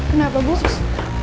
kenapa bu sus